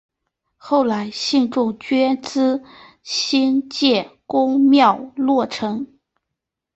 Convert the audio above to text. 后来信众捐资兴建宫庙落成。